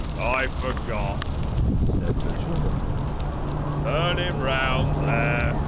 I forgot," said N' Jawk. "Turn him round there.